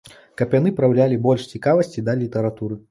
Каб яны праяўлялі больш цікавасці да літаратуры.